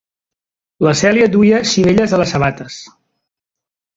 La Celia duia sivelles a les sabates.